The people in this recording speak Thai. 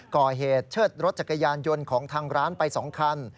เชิดรถจักรยานยนต์ของทางร้านไป๒คัน